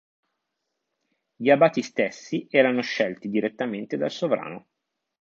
Gli abati stessi erano scelti direttamente dal sovrano.